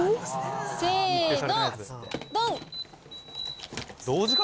せーの！